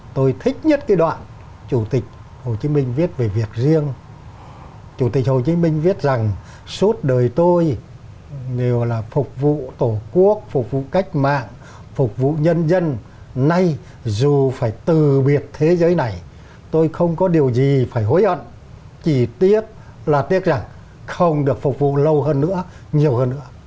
tôi thích nhất cái đoạn chủ tịch hồ chí minh viết về việc riêng chủ tịch hồ chí minh viết rằng suốt đời tôi đều là phục vụ tổ quốc phục vụ cách mạng phục vụ nhân dân nay dù phải từ biệt thế giới này tôi không có điều gì phải hối ẩn chỉ tiếc là tiếc rằng không được phục vụ lâu hơn nữa nhiều hơn nữa